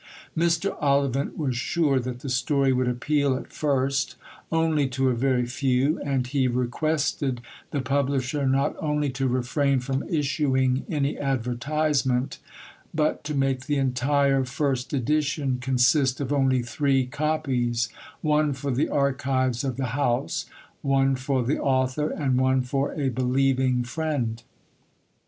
Mr. Ollivant was sure that the story would appeal at first only to a very few, and he requested the publisher not only to refrain from issuing any advertisement, but to make the entire first edition consist of only three copies one for the archives of the House, one for the author, and one for a believing friend.